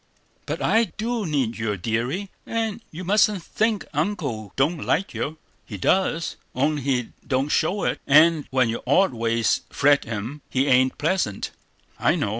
"But I do need you, deary; and you mustn't think Uncle don't like you. He does, only he don't show it; and when your odd ways fret him, he ain't pleasant, I know.